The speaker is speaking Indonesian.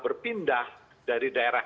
berpindah dari daerah